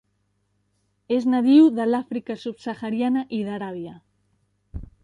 És natiu de l'Àfrica subsahariana i d'Aràbia.